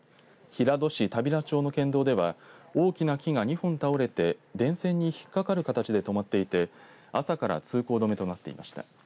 平戸市田平町の県道では大きな木が２本倒れて電線に引っ掛かる形で止まっていて朝から通行止めとなっていました。